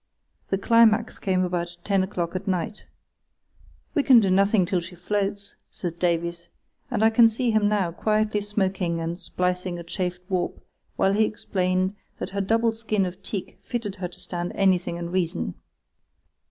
The climax came about ten o'clock at night. "We can do nothing till she floats," said Davies; and I can see him now quietly smoking and splicing a chafed warp while he explained that her double skin of teak fitted her to stand anything in reason.